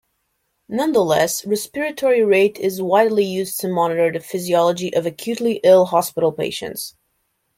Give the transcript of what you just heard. Nonetheless respiratory rate is widely used to monitor the physiology of acutely-ill hospital patients.